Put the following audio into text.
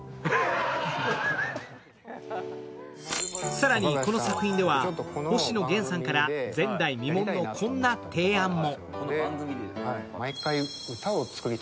更に、この作品では星野源さんから前代未聞のこんな提案も。